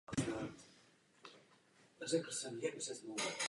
Poté řídil nástup do člunů na pravé straně lodi.